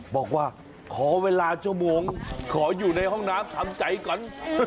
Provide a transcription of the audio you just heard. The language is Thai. บอกว่าขอเวลาชั่วโมงขออยู่ในห้องน้ำทำใจก่อน